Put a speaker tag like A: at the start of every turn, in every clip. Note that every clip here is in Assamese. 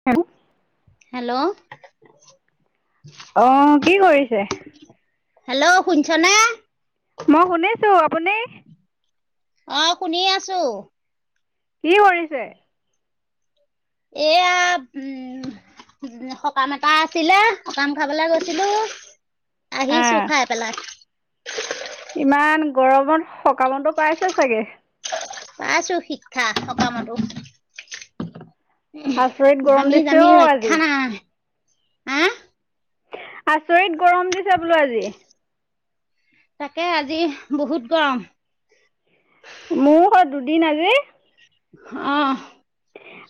A: [unintelligible]
B: হেল্ল'
A: অ', কি কৰিছে?
B: হেল্ল', শুনিছনে?
A: মই শুনিছোঁ, আপুনি?
B: অ', শুনি আছোঁ।
A: কি কৰিছে?
B: এইয়া, উম সকাম এটা আছিলে, সকাম খাবলে গৈছিলোঁ। আহিছোঁ
A: আহ
B: খাই পেলাই।
A: ইমান গৰমত, সকামতো পাইছে চাগে।
B: পাইছোঁ শিক্ষা সকামতো।
A: আচৰিত গৰম
B: ঘামি
A: দিছে
B: জামি
A: অ' আজি।
B: ৰক্ষা নাই। হা
A: আচৰিত গৰম দিছে বোলো আজি।
B: তাকে আজি বহুত গৰম।
A: মোৰ সৈ দুদিন আজি।
B: অ'।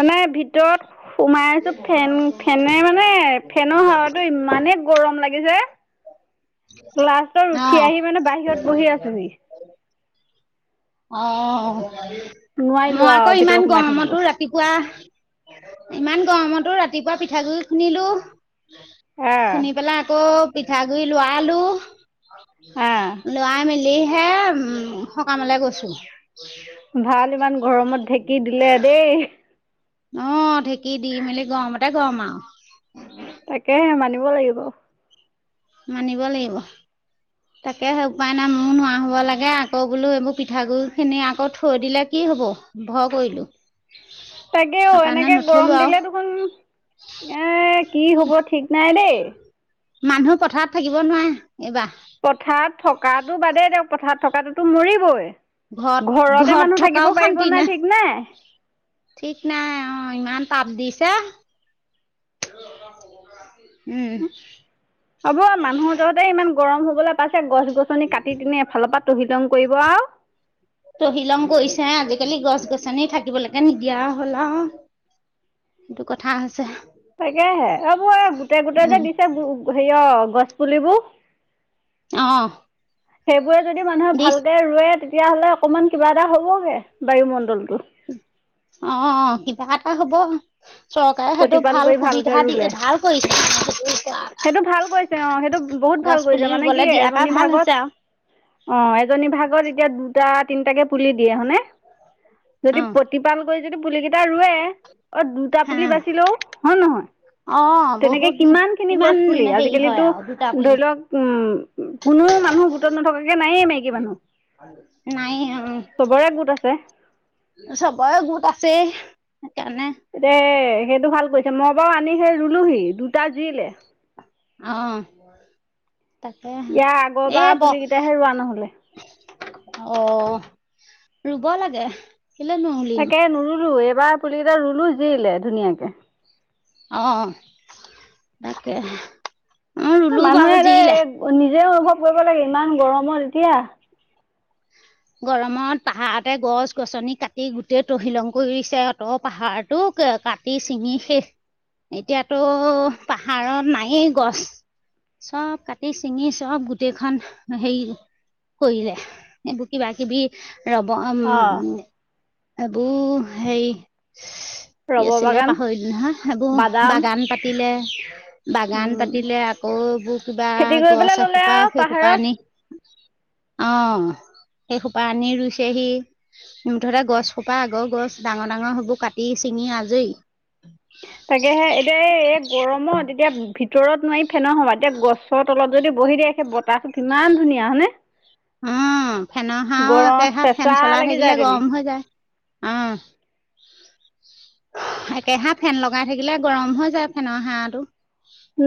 A: মানে ভিতৰত সোমাই আছোঁ। ফেন ফেনে মানে ফেনৰ হাৱাটো ইমানে গৰম লাগিছে। লাষ্টত
B: অ
A: উঠি আহি মানে বাহিৰত বহি আছোঁহি!
B: অ',
A: নোৱাৰিলো
B: মই আক
A: আৰু
B: ইমান
A: ভিতৰত সোমাই থাকিব।
B: গৰমতো ৰা তিপুৱা, ইমান গৰমতো ৰাতিপুৱা পিঠাগুড়ি খুন্দিলোঁ।
A: আহ
B: খুন্দি পেলাই আকৌ পিঠাগুড়ি লোৱালো।
A: আহ
B: লৰাই মেলিহে উম সকামলে গৈছোঁ।
A: ভাল ইমান গৰমত ঢেঁকী দিলে দেই।
B: অঁ ঢেঁকী দি মেলি গৰমতে গৰম আও।
A: তাকেহে মানিব লাগিব।
B: মানিব লাগিব। তাকেহে উপায় নাই। মোৰো নোৱা হ'ব লাগে, আকৌ বোলো এইবোৰ পিঠাগুড়িখিনি আকৌ থৈ দিলে কি হ'ব। ভয় কৰিলোঁ।
A: তাকে অ'
B: সেইকাৰণে
A: এনেকে
B: নথলো
A: গৰম
B: আৰু।
A: দিলে দেখোন, এ কি হ'ব ঠিক নাই দেই
B: মানুহ পথাৰত থাকিব নোৱাৰে, এইবাৰ।
A: পথাৰত থকাটো বাদেই দিয়ক, পথাৰত থকাটোতো মৰিবই।
B: ঘৰত
A: ঘৰতে
B: ঘৰত
A: মানুহ
B: থকাও
A: থাকিব পাৰিব
B: শান্তি
A: নাই ঠিক নাই।
B: ঠিক নাই, অ' ইমান তাপ দিছে। উম।
A: হ'ব মানুহৰ যহতে ইমান গৰম হ'বলে পাইছে, গছ গছনি কাটি দিনে এফালৰ পৰা তহিলং কৰিব আও।
B: তহিলং কৰিছে, আজিকালি গছ গছনি থাকিবলেকে নিদিয়া হল আও। সেইটো কথা হৈছে।
A: তাকেহে এইবোৰ গোটেই গোটেই যে
B: উম,
A: দিছে হেৰিয় গছ পুলিবোৰ।
B: অঁ।
A: সেইবোৰে যদি মানুহে ভালকে ৰুৱে তে তেতিয়াহ'লে অকণমান কিবা এটা হ'বগে, বায়ুমণ্ডলটো।
B: অ' কিবা এটা হব। চৰকাৰে সেইটো
A: প্ৰতিপাল
B: ভাল
A: কৰি ভালকে
B: সুবিধা দি,
A: ৰুলে
B: ভাল কৰিছে
A: অ' সেইটো বহুত
B: গছ
A: ভাল
B: পুলি
A: কৰিছে মানে কি
B: ৰুবলৈ দিয়া পৰা
A: এজনী
B: ভাল
A: ভাগত
B: হৈছে আৰু
A: অ' এজনী ভাগত এতিয়া দুটা তিনটাকে পুলি দিয়ে হয়নে, যদি
B: অ',
A: ত্ৰিপাল কৰি যদি পুলি কেইটা ৰুৱে, অ' দুটা
B: হা
A: পুলি বাচিলেও হয় নে নহয়।
B: অ',
A: তেনেকে
B: বহুত
A: কিমান খিনি গছ পুলি,
B: হেৰি হয়
A: আজিকালিতো
B: আৰু দুটা পুলি
A: ধৰি লওক উম। কোনো মানুহ গোটত নথকাকে নায়ে মাইকী মানুহ।
B: নাইয়ে অ'।
A: চবৰে গোট আছে।
B: চবৰে গোট আছে সেইকাৰণে।
A: তে সেইটো ভাল কৰিছে। মই বাৰু আনি সেই ৰুলোহি দুটা জিলে।
B: অ'। তাকেহে
A: ইয়াৰ
B: এ
A: আগৰবাৰ
B: বক্স
A: পুলিকেইটাহে ৰোৱা নহ'লে
B: অ' ৰুব লাগে। কেলে নুৰুলি?
A: তাকে নুৰুলো এইবাৰ পুলি কেইটা ৰুলো জিলে ধুনীয়াকে।
B: অ' তাকে। অ', ৰুলো
A: মানুহে
B: বাৰু
A: এ
B: জিলে
A: নিজে অনুভৱ কৰিব লাগে ইমান গৰমত এতিয়া।
B: গৰমত পাহাৰতে গছ-গছনি কাটি গোটেই তহিলং কৰিছে। অ' পাহাৰটোক কাটি চিঙি শেষ। এতিয়াতো পাহাৰত নায়েই গছ। চব কাটি ছিঙি চব গোটেইখন হেৰি কৰিলে এই। কিবা কিবি ৰব উম।
A: অ'
B: সেইবোৰ হেৰি। কি
A: ৰবাৰ
B: আছিলে
A: বাগান
B: পাহৰিলো নহয়, সেইবোৰ
A: বাদাম
B: বাগান পাতিলে। বাগান
A: উম,
B: পাতিলে। আকৌ এইবোৰ কিবা
A: খেতি কৰি
B: গছ
A: পেলাই ল'লে
B: এসোপা
A: আৰু
B: সেই সোপা
A: পাহাৰত
B: আনি। অ'। সেই সোপা আনি ৰুইছেহি। মুঠতে গছ সোপা আগৰ গছ ডাঙৰ ডাঙৰ সেইবোৰ কাটি ছিঙি আজৰি।
A: তাকেহে এতিয়া এই এই গৰমত এতিয়া ভিতৰত নোৱাৰি ফেনোৰ হাৱাত এতিয়া গছত তলত। যদি বহি দিয়ে সেই বতাহটো কিমান ধুনীয়া হয় নে?
B: অ' ফেনৰ হাৱাও একেহাৰ
A: চেঁচা
B: ফেন চলাই
A: লাগি যায়
B: থাকিলে
A: তেনে
B: গৰম হৈ যায়। অ'। একেহাৰে ফেন লগাই থাকিলে গৰম হৈ যায় ফেনৰ হাৱাটো।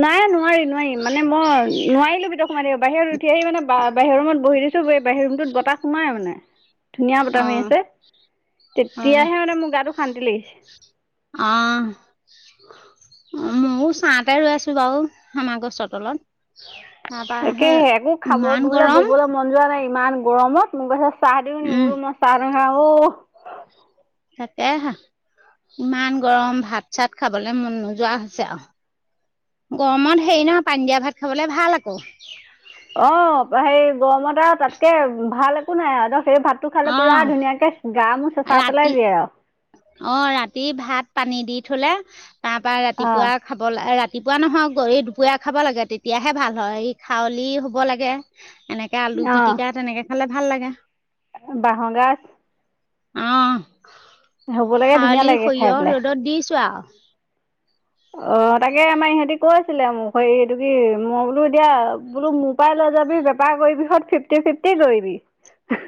A: নাই নোৱাৰি নোৱাৰি মানে, মই নোৱাৰিলো ভিতৰত সোমাই থাকিব। বাহিৰত উঠি আহি মানে বা বাহিৰৰ ৰুমত বহি দিছো। এই বাহিৰ ৰুমত বতাহ সোমাই মানে। ধুনীয়া বতাহ
B: অ
A: মাৰি আছে। তেতিয়াহে
B: অ
A: মানে মোৰ গাটো শান্তি লাগিছে।
B: আ। উম, ময়ও চাতে ৰৈ আছো বাৰু আমাৰ গছৰ তলত। তাৰপা সেই
A: তাকেহে, একো খাব
B: ইমান
A: ববলে
B: গৰম
A: ববলে মন যোৱা নাই ইমান গৰমত মোক গৈছে চাহ দি।
B: উম।
A: ম‌ই চাহ নাখাওঁ ঔ।
B: তাকে হে, ইমান গৰম ভাত-চাত খাবলে মন নোযোৱা হৈছে আৰু। গৰমত হেৰি নহয় পানী দিয়া ভাত খাবলে ভাল আকৌ।
A: অ' সেই গৰমত আৰু তাতকে ভাল একো নাই আৰু সেই ভাতটো খালে
B: অ
A: পুৰা ধুনীয়াকে। [inaudible]
B: ৰাতি অ' ৰাতি ভাত পানী দি থলে তাৰ পা
A: অঁ
B: ৰাতিপুৱা খাব ল ৰাতিপুৱা নহয় গৰ দুপৰীয়া খাব লাগে। তেতিয়াহে ভাল হয় এই খাৱলি হ'ব লাগে
A: [inaudible]
B: এনেকে আলু
A: অঁ
B: পিটিকা তেনেকে খালে ভাল লাগে।
A: বাঁহৰ গাজ
B: অ
A: হ'বলৈকে ধুনীয়া
B: খাৱলি
A: লাগে খাই
B: সৰিয়হ
A: পেলাই
B: ৰ'দত দিছো আৰু
A: অ তাকে আমাৰ ইহঁতি কৈ আছিলে মোক হে এইটো কি মই বোলো এতিয়া বোলো তই লৈ যাবি বেপাৰ কৰিবিহত ফিফট ফিফটি কৰিবি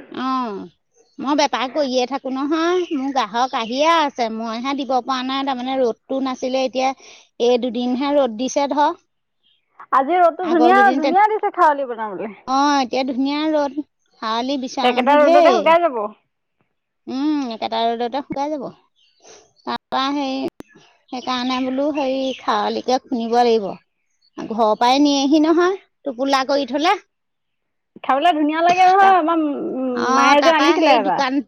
B: অ। মই বেপাৰ কৰিয়ে থাকো নহয় মোৰ গ্ৰাহক আহিয়ে আছে মইহে দিব পৰা নাই তাৰমানে ৰ'দ। টো নাছিলে এতিয়া, এই দুদিনহে ৰ'দ দিছে ধৰ।
A: আজি ৰ'দটো
B: আগৰ
A: ধুনীয়া
B: কেইদিন
A: ধুনীয়া দিছে খউলি বনাবলৈ।
B: অ', এতিয়া ধুনীয়া ৰ'দ হাৱলি বিচৰা
A: একেটা
B: মানুহ
A: ৰ'দতে
B: ঢেৰ।
A: শুকাই যাব
B: উম, একেটা ৰ'দতে শুকাই যাব। তাৰপৰা সেই সেইকাৰণে বোলো হেৰি খাৰলিকে খুন্দিব লাগিব। ঘৰৰ পৰাই নিয়েহি নহয় টোপোলা কৰি থ'লে।
A: খাবলৈ ধুনীয়া লাগে
B: তাৰ
A: নহয় আমাৰ।
B: অ
A: মায়ে যে
B: তাৰ পৰা
A: আনিছিলে
B: সেই
A: এবাৰ
B: দোকান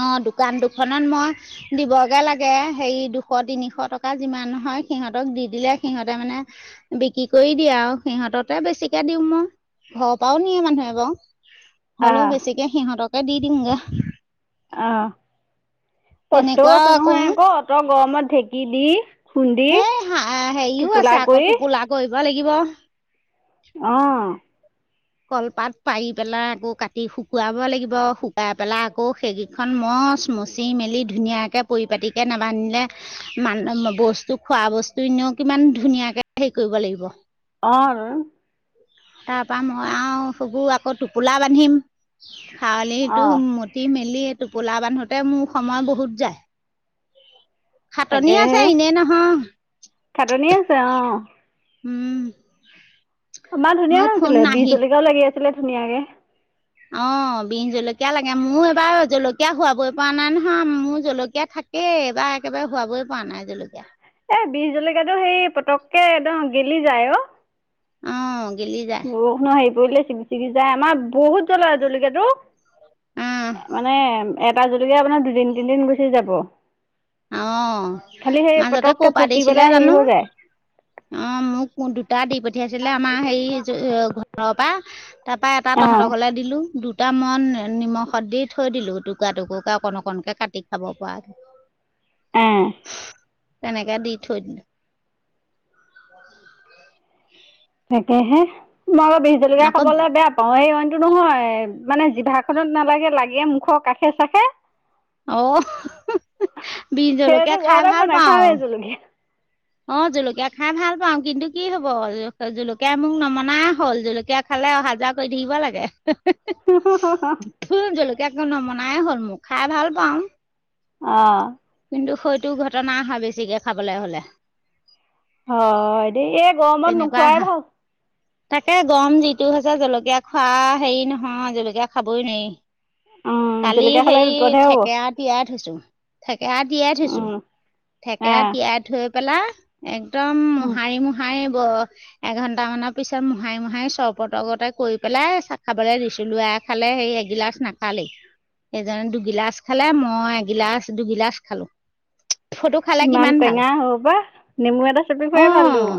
B: অ দোকান দুখনত মই। দিবগে লাগে হেৰি দুশ তিনিশ টকা যিমানহয় সিহঁতক দি দিলে সিহঁতে মানে। বিক্ৰী কৰি দিয়া আৰু সিহঁততে বেছিকে দিওঁ মই। ঘৰৰ পৰাও নিয়ে মানুহে বাৰু হ'লেও
A: আহ
B: বেছিকে সিহঁতকে দি দিং গে।
A: আহ, কষ্টও
B: তেনেকুৱা
A: আছে নহয়
B: কৰোঁ
A: আকৌ অত গৰমত ঢেঁকী দি। খুন্দি
B: হেই হ হেৰিও
A: টোপোলা
B: আছে আকৌ
A: কৰি
B: টোপোলা কৰিব লাগিব।
A: অঁ।
B: কলপাত পাৰি পেলাই আকৌ কাটি শুকুৱাব লাগিব শুকাই পেলাই আকৌ হেৰি। খন মচ, মচি মেলি ধুনীয়াকৈ পৰিপাাটিকে নাবান্ধিলে। মান বস্তু খোৱা বস্তু এনেও কিমান ধুনীয়াকে হেৰি কৰিব লাগিব।
A: অ,
B: তাৰ পৰা মই আৰু সবোৰ আকৌ টোপোলা বান্ধিম। খাৱলিটো
A: অঁ
B: মতি মেলি টোপোলা বান্ধোতে মোৰ সময় বহুত যায়। খাটনি আছে
A: তাকেহে
B: এনে নহয়।
A: খাটনি আছে অঁ।
B: উম,
A: আমাৰ ধুনীয়া
B: মোৰ ফোন
A: হৈছিলে, বি
B: নাহি
A: জলকীয়াও লাগি আছিলে ধুনীয়াকে।
B: অ বিন জলকীয়া লাগে মোৰ এবাৰ জলকীয়া খোৱাবই পৰা নাই নহয় মোৰ জলকীয়া থাক। এই এইবাৰ একেবাৰে শোৱাবই পৰা নাই জলকীয়া।
A: এ বি জলকীয়াটো সেই পতককে একদম গেলি যায় অ।
B: অ,
A: বৰষুণৰ হেৰি পৰিলে চিগি চিগি যায়, আমাৰ বহুত জ্বলা জলকীয়াটো।
B: অহ
A: এ মানে এটা জলকীয়া আপোনাৰ দুদিন তিনদিন গুচি যাব।
B: আহ,
A: খালি সেই
B: মাজতে
A: পতককে
B: ক পৰা
A: পকি
B: দিছিলে
A: পেলাই হেৰি
B: জানো?
A: হৈ যায়।
B: অ, মোক দুটা দি পঠিয়াইছিলে আমাৰ হেৰি। এ ঘৰৰ পৰা তাৰ পৰা এটা
A: অ',
B: তহঁতৰ ঘলে। দিলো দুটামান নিমখত দি থৈ দিলো টুকুৰা টুকুকে অকন অকনকে কাটি খাব পৰাকে।
A: অঁ,
B: তেনেকে দি থৈ দিলো। [inaudible]
A: তাকয়েহে, মই আকৌ বিহ জলকীয়া
B: আকৌ
A: খাবলৈ বেয়া। অ এই [unintelligible] নহয় মানে জিভাখনত নালাগে লাগে মুখৰ কাষে চাষে।
B: অহ বিহ জলকীয়া খাই
A: [unintelligible] নেখাও এ জুলকীয়া।
B: অ, জলকীয়া খাই ভাল পাও কিন্তু কি হব, জলকীয়া মোক নমনা হ'ল, জলকীয়া। খালে অহা যোৱা কৰি থাকিব লাগে।
A: [unintelligible]
B: জলকীয়া আকৌ নমনাই হ'ল মোক খাই ভাল পাওঁ।
A: অ'।
B: কিন্তু সৈটো ঘটনা হয় বেছিকে খাবলে হলে।
A: অ', এতিয়া এই গৰমত
B: তেনেকুৱা আহা
A: নোখোৱাই ভাল।
B: তাকে গৰম যিটো হৈছে জলকীয়া খোৱা হেৰি নহয় জলকীয়া খাবই নোৱাৰি।
A: উম,
B: কালি
A: জলকীয়া খালে
B: হেৰী
A: বিপদহে হ'ব।
B: থেকেৰা তিয়াই থৈছোঁ, থেকেৰা তিয়াই থৈছোঁ।
A: উম,
B: থেকেৰা
A: আহ
B: তিয়াই থৈ পেলা, একদম
A: উম।
B: নে মোহাৰিব এঘণ্টামানৰ পিছত মোহাৰি মোহাই চৰ্পতগতে কৰি পেলাই চা-খাবলে দিছোঁ। লৰাই খালে হেৰী এগিলাচ নাখালেই। এজনে দুগিলাচ খালে, মই এগিলাচ দুগিলাচ খালোঁ। ফটো খালে
A: ইমান
B: কিমান ভাল
A: টেঙা সসোপা, নেমু এটা চেপি খুৱাই ভাল
B: অ
A: দোন।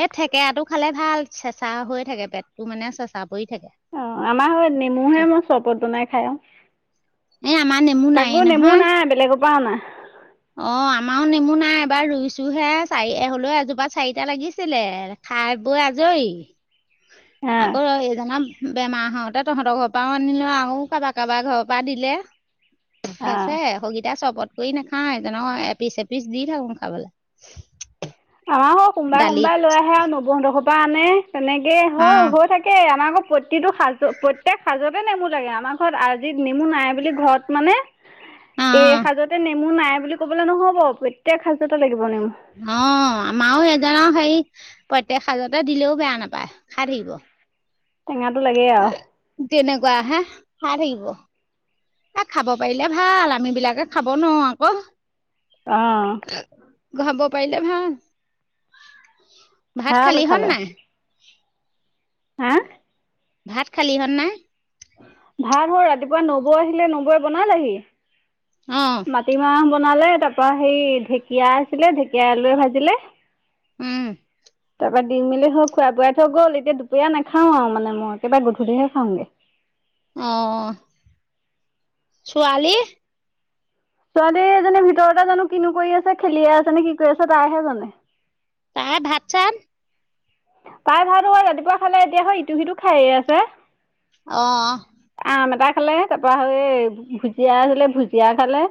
B: এই থেকেৰাটো খালে ভাল, চেঁচা হৈ থাকে পেটটো মানে চেঁচা পৰি থাকে।
A: অ', আমাৰ সৈ নেমুহে মই চৰবত বনাই খাই আৰু।
B: এ আমাৰ নেমু
A: তাকো
B: নাইয়ে
A: নেমু
B: নহয়।
A: নাই বেলেগপা অনা।
B: অ', আমাও নেমু নাই এইবাৰ ৰুইছোহে, চাৰি হলেও এজোপা চাৰিটা লাগিছিলে। খাই বৈ আজৰি।
A: অ',
B: আকৌ এইজনৰ বেমাৰ হওঁতে তহঁতৰ ঘৰপাও আনিলো আৰু কাবা কাবা ঘৰৰ পৰা দিলে। আছে
A: অ',
B: সৈগিতা চৰবত কৰি নাখায়, এইজনক এপিচ, এপিচ দি থাকো খাবলে।
A: আমাৰো সোনবাই,
B: দালিত
A: সোমবাই লৈ আহে আৰু নবৌহঁতৰ ঘৰৰ পৰা আনে। তেনেকে হয়
B: অ'
A: হৈ থাকে, আমাৰ ঘৰত প্ৰত্ প্ৰতিটো সাজ প্ৰত্যেক সাজতে নেমু লাগে, আমাৰ ঘৰত আজি নেমু নাই বুলি ঘৰত মানে এই
B: অ'
A: সাঁজতে নেমু নাই বুলি ক'বলে নহ'ব, প্ৰত্যেক সাজতে লাগিব নেমু।
B: অ', আমাৰো এইজনক হেই প্ৰত্যেক সাজতে দিলেও বেয়া নাপায়, খাই থাকিব।
A: টেঙাটো লাগেই আৰু।
B: তেনেকুৱাহে, খাই থাকিব। এ, খাব পাৰিলে ভাল, আমি বিলাকে খাব নোৱাৰোঁ আকৌ।
A: অ'।
B: খাব পাৰিলে ভাল। ভাত
A: ভাল
B: খালিহঁত নাই?
A: আ?
B: ভাত খালিহঁত নাই?
A: ভাত হ ৰাতিপুৱা নবৌ আহিলে, নবৌৱে বনালেহি।
B: অ'।
A: মাটিমাহ বনালে তাপা হেই ঢেঁকীয়া আছিলে, ঢেকীয়াই আলুৱে ভাজিলে।
B: উম।
A: তাপা দি মেলি হ খোৱা বোৱাই থৈ গ'ল, এতিয়া দুপৰীয়া নেখাওঁ আৰু মানে মই একেবা গধূলহে খাওঁগে।
B: অ', ছোৱালী?
A: ছোৱালী এজনী ভিতৰতে জানোঁ কিনো কৰি আছে, খেলিয়ে আছেনে কি কৰি আছে তাইহে জানে।
B: তাই ভাত চাত?
A: তাই ভাত হেই ৰাতিপুৱা খালে, এতিয়া হৈ ইটো সিটো খাইয়ে আছে।
B: অ'।
A: আম এটা খালে, তাৰপৰা হৈ ভুজিয়া আছিলে ভুজিয়া খালে।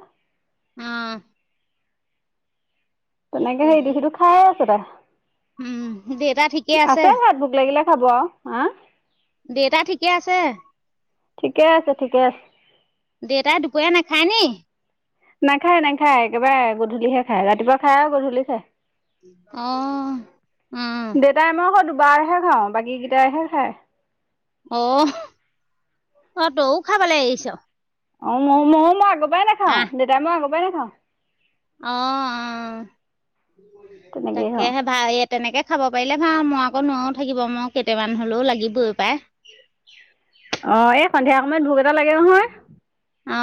B: অ'।
A: তেনেকে
B: তাকে
A: ইটো সিটো খাই আছে তাই।
B: উম দেউতা ঠিকে
A: আছে ভাত ভোক লাগিলে খাব আৰু হা!
B: দেতা ঠিকে আছে?
A: ঠিকে আছে, ঠিকে আছে।
B: দেউতাই দুপৰীয়া নাখায় নি?
A: নাখায়, নাখায়, একেবাৰে গধূলিহে খায়, ৰাতিপুৱা খায় আৰু গধূলি খায়।
B: অ, উম।
A: দেউতাই মই আকৌ দুবাৰহে খাওঁ, বাকীকেইটাইহে খায়।
B: অ, অ, তও খাবলে এৰিছ?
A: অ, ম ময়ো মই আগ পৰাই নাখাওঁ,
B: আহ
A: দেউাই মই আগৰ পৰাই নাখাওঁ।
B: অ, আহ,
A: তেনেকেই খাওঁ
B: তাকেহে। তেনেকৈ খাব পাৰিলে ভাল, মই আকৌ নোৱাৰোও থাকিব, মই কেইটামান হ'লেও লাগিবই পায়।
A: অ, এই সন্ধিয়া সময়ত ভোক এটা লাগে নহয়।
B: অ।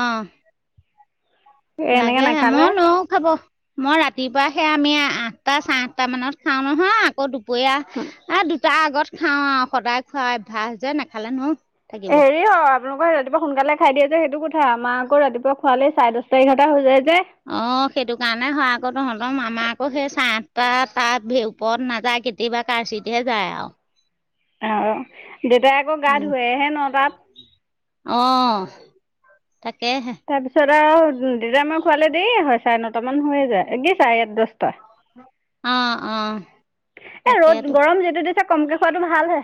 A: এনেকে
B: লাগে,
A: নাখালে
B: মই নোৱাৰোঁ খাব। মই ৰাতিপুৱা সেই আমি আঠটা-চাৰে আঠটা মানত খাও নহয়, আকৌ দুপ দুপৰীয়া এ দুটা আগত খাও আৰু, সদায় খুৱাই অভ্যাস যে নাখালে নোৱাৰোঁ।
A: হেৰি [unintelligible] আপোনালোকে ৰাতিপুৱা সোনকালে খাই দিয়ে যে সেইটো কথা, আমাৰ আকৌ ৰাতিপুৱা খোৱালেই চাৰে দহ- এঘাৰটা বাজি যায় যে।
B: অ, সেইটো কাৰণে হয় আকৌ তহঁতৰ, আমাৰ আকৌ সেই চাৰে আঠটা তাত- ওপৰত নাযায়, কেতিয়াবা কাৰচিতহে যায় আৰু।
A: অঁ, দেউতাই আকৌ গা
B: উম
A: ধুৱেহে নটাত।
B: অ, তাকে হে।
A: তাৰপিছত আৰু দেতাই মই খোৱালে দেৰিয়েই হয়, চাৰে নটামান হৈয়ে যায়, কি চাৰে দহটা।
B: অ, অ, তাকেতো।
A: পিছে কমকে খোৱাটো ভাল হে।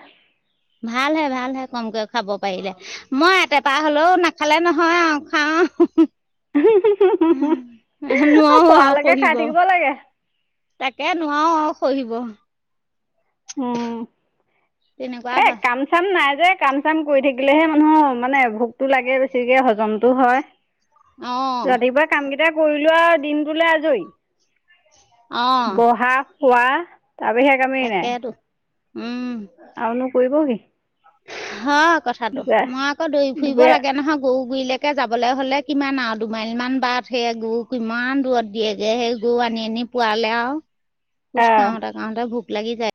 B: ভাল হে, ভাল হে, কমকে খাব পাৰিলে। মই এবাৰ হ'লেও নাখালে নহয় আৰু, খাও। উম,
A: অ
B: নোৱাৰো আৰু
A: পৰালৈকে খাই
B: সহিব।
A: থাকিব লাগে
B: তাকে, নোৱাৰো আৰু সহিব।
A: উম,
B: তেনেকুৱা
A: এ
B: হয়
A: কাম চাম নাই যে, কাম-চাম কৰি থাকিলেহে মানুহৰ মানে ভোকতো লাগে বেছিকে, হজমতটো হয়।
B: অ
A: ৰাতিপুৱাই কামকেইটা কৰিলো আৰু দিনটোলৈ আজৰি।
B: অ
A: বহা, খোৱা, তাৰ বাহিৰে কামেই
B: তাকেতো, উম।
A: আৰু নো কৰিব কি?
B: হয় কথাাতটো,
A: দুপৰীয়া
B: মই আকৌ দৌৰি ফুৰিব
A: দুপৰীয়া
B: লাগে নহয়, গৰু গুৰিলে কৈ যাবলৈ হ'লে কিমান আৰু দুমাইলমান বাট, সেই গৰু কিমান দূৰত দিয়েগৈ, সেই গৰু আনি-আনি পোৱালে আৰু
A: [inaudible]
B: খোজ কাঢ়োতে- কাঢ়োতে ভোক লাগি যায়।